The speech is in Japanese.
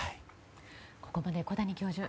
ここまで小谷教授